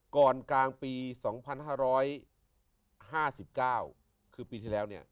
ก่อนกลางปีสองพันห้าร้อยห้าสิบเก้าคือปีที่แล้วเนี้ย